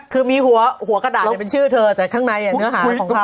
คือมีหัวกระดาษเป็นชื่อเธอแต่ข้างในเนื้อหาของเธอ